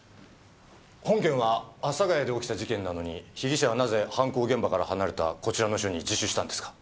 本件は阿佐谷で起きた事件なのに被疑者はなぜ犯行現場から離れたこちらの署に自首したんですか？